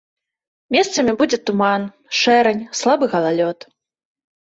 Месцамі будзе туман, шэрань, слабы галалёд.